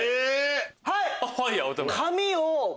はい！